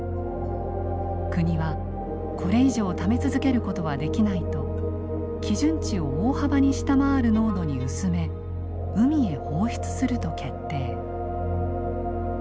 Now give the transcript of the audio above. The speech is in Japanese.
国はこれ以上ため続けることはできないと基準値を大幅に下回る濃度に薄め海へ放出すると決定。